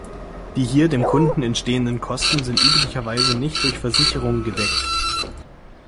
Die hier dem Kunden entstehenden Kosten sind üblicherweise nicht durch Versicherungen gedeckt.